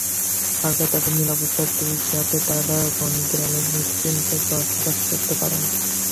সরকার তাঁদের নিরাপত্তা দিক, যাতে তাঁরা বনগ্রামেই নিশ্চিন্তে বসবাস করতে পারেন।